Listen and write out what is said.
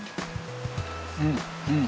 うんうん。